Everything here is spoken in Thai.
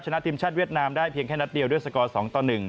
ชนะทีมชาติเวียดนามได้เพียงแค่นัดเดียวด้วยสกอร์๒ต่อ๑